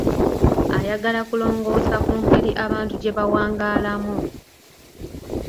Ayagala kulongoosa ku ngeri abantu gye bawangaalamu.